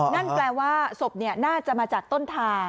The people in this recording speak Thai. นั่นแปลว่าศพน่าจะมาจากต้นทาง